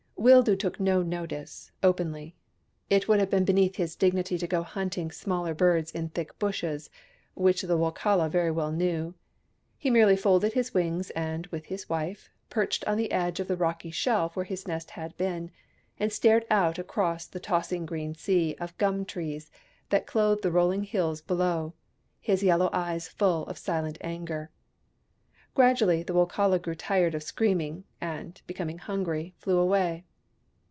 Wildoo took no notice, openly. It would have been beneath his dignity to go hunting smaller birds in thick bushes — which the Wokala very well knew. He merely folded his wings and, with his wife, perched on the edge of the rocky shelf where his nest had been, and stared out across the tossing green sea of gum trees that clothed the rolling hills below, his yellow eyes full of silent anger. Gradually the Wokala grew tired of screaming, and, becoming hungry, flew away.